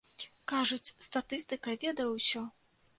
Кажуць, статыстыка ведае ўсё.